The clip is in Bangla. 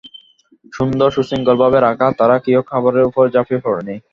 সুন্দর, সুশৃঙ্খল ভাবে রাখা, তারা কেউ খাবারের উপর ঝাঁপিয়ে পড়েনি।